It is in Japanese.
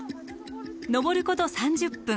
登ること３０分。